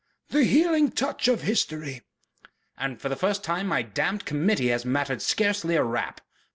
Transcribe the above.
"The healing touch of history." "And for the first time my damned Committee has mattered scarcely a rap."